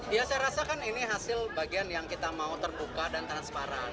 ya saya rasa kan ini hasil bagian yang kita mau terbuka dan transparan